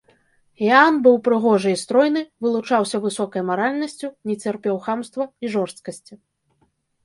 Іаан быў прыгожы і стройны, вылучаўся высокай маральнасцю, не цярпеў хамства і жорсткасці.